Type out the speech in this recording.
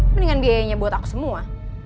mendingan biayanya buat aku semua